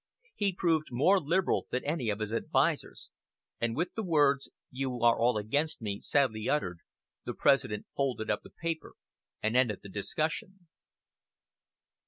He proved more liberal than any of his advisers; and with the words, "You are all against me," sadly uttered, the President folded up the paper, and ended the discussion.